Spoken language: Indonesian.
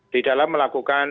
di dalam melakukan